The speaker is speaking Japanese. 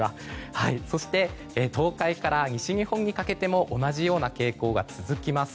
そして東海から西日本にかけても同じような傾向が続きます。